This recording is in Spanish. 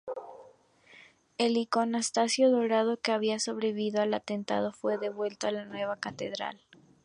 El iconostasio dorado, que había sobrevivido al atentado, fue devuelto a la nueva catedral.